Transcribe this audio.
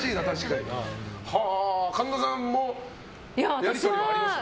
神田さんもやりとりありますか？